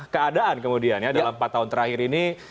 keadaan kemudian ya dalam empat tahun terakhir ini